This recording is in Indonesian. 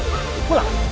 ya gue seneng